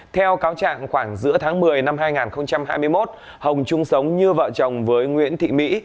theo cáo trạng khoảng giữa tháng một mươi năm hai nghìn hai mươi một hồng chung sống như vợ chồng với nguyễn thị mỹ